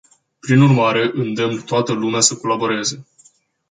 Prin urmare, îndemn toată lumea să colaboreze.